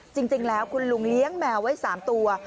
จริงแล้วคุณลุงเลี้ยงแมวไว้๓ตัว